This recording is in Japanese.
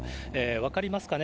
分かりますかね。